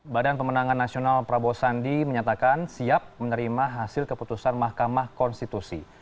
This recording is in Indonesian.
badan pemenangan nasional prabowo sandi menyatakan siap menerima hasil keputusan mahkamah konstitusi